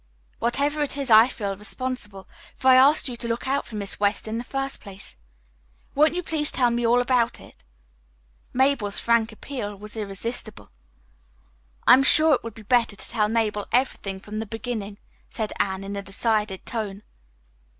Whatever it is, I feel responsible, for I asked you to look out for Miss West in the first place. Won't you please tell me all about it?" [Illustration: They Clustered About the Fireplace.] Mabel's frank appeal was irresistible. "I am sure it would be better to tell Mabel everything from the beginning," said Anne in a decided tone.